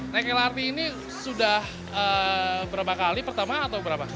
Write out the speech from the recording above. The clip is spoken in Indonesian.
naik lrt ini sudah berapa kali pertama atau berapa